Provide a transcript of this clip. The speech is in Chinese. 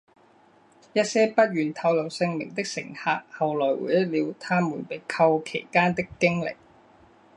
一些不愿透露姓名的乘客后来回忆了他们被扣期间的经历。